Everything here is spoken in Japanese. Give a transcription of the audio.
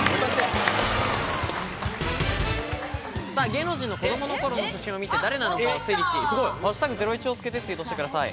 芸能人の子どもの頃の写真を見て誰なのかを推理し、「＃ゼロイチ」をつけてツイートしてください。